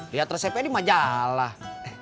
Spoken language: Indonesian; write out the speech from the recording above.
lihat resepnya di majalah